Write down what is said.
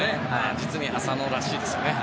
実に浅野らしいですね。